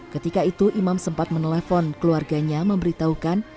ketika itu imam sempat menelpon keluarganya memberitahukan